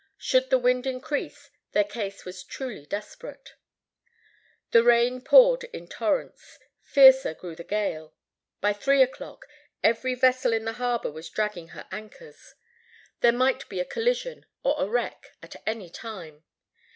Should the wind increase, their case was truly desperate. The rain poured in torrents; fiercer grew the gale. By three o'clock every vessel in the harbor was dragging her anchors. There might be a collision, or a wreck, at any time.